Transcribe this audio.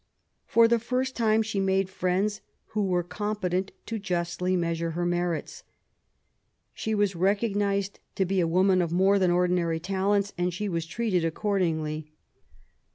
For the first time she made friends who were competent to justly measure her merits. She was recognised to be a woman of more than ordinary talents^ and she was ' treated accordingly.